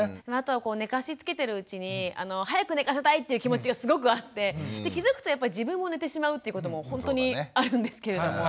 寝かしつけてるうちに早く寝かせたいという気持ちがすごくあってで気づくとやっぱり自分も寝てしまうということも本当にあるんですけれども。